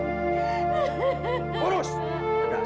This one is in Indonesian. tolonglah anak yang terharga